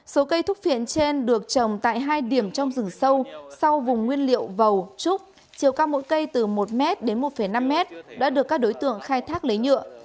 số cây thuốc phiện trên được trồng tại hai điểm trong rừng sâu sau vùng nguyên liệu vầu trúc chiều cao mỗi cây từ một m đến một năm m đã được các đối tượng khai thác lấy nhựa